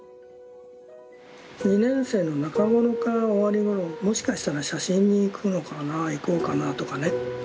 ２年生の中ごろか終わりごろもしかしたら写真に行くのかな行こうかなとかねすごく迷ってた。